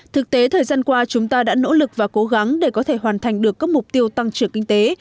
thực tế thời gian qua chúng ta đã nỗ lực và cố gắng để có thể hoàn thành được các mục tiêu tăng trưởng kinh tế